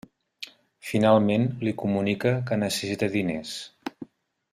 Finalment li comunica que necessita diners.